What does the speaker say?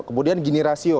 kemudian gini rasio